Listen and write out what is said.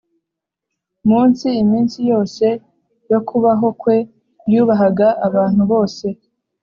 munsi iminsi yose yo kubaho kwe yubahaga abntu bose